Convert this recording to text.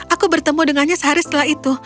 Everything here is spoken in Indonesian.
aku bertemu dengannya sehari setelah itu